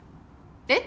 えっ？